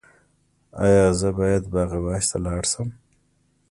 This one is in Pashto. ایا زه باید باغ وحش ته لاړ شم؟